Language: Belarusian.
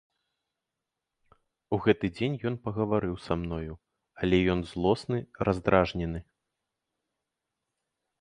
У гэты дзень ён пагаварыў са мною, але ён злосны, раздражнены.